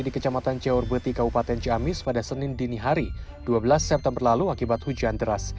di kecamatan ciurbeti kabupaten ciamis pada senin dini hari dua belas september lalu akibat hujan deras